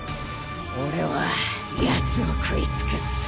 俺はやつを食い尽くす！